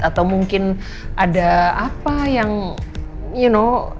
atau mungkin ada apa yang you know